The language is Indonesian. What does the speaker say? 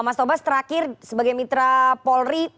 mas tobas terakhir sebagai mitra polri